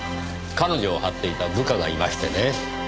彼女を張っていた部下がいましてね。